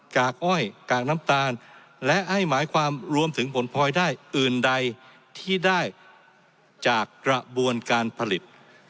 กากอ้อยกากน้ำตาลและให้หมายความรวมถึงผลพลอยได้อื่นใดที่ได้จากกระบวนการผลิต